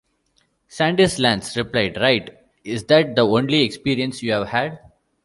Sandilands replied: Right... is that the only experience you've had?